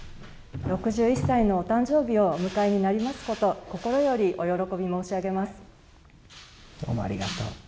６１歳のお誕生日をお迎えになりますこと心よりお喜び申し上げます。